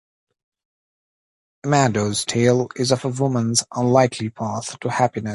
Amado's tale is of a woman's unlikely path to happiness.